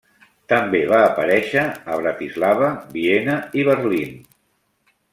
També va aparèixer a Bratislava, Viena i Berlín.